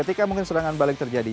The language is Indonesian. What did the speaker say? ketika mungkin serangan balik terjadi